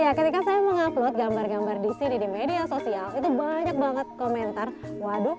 ya ketika saya mengupload gambar gambar di sini di media sosial itu banyak banget komentar waduh